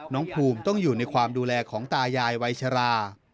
น้องภูมิต้องอยู่ในความดูแลของตายายวัยชรา